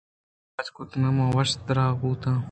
اگاں تو منی علاج کُت ءُ من وشّ ءُ درٛاہ بُوتاں